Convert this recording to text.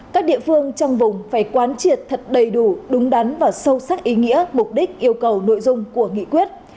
các địa phương trong vùng phải quán triệt thật đầy đủ đúng đắn và sâu sắc ý nghĩa mục đích yêu cầu nội dung của nghị quyết